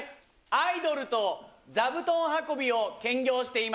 アイドルと座布団運びを兼業しています。